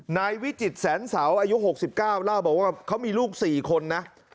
นายวิจิตแสนเสาอายุ๖๙เล่าบอกว่าเขามีลูก๔คนนะ